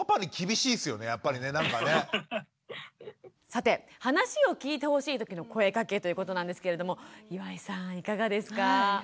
さて話を聞いてほしい時の声かけということなんですけれども岩井さんいかがですか？